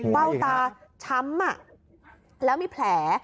เบ้าตาช้ำแล้วมีแผล